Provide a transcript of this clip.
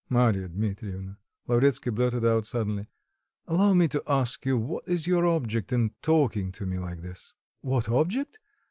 "Marya Dmitrievna," Lavretsky blurted out suddenly, "allow me to ask you what is your object in talking to me like this?" "What object?"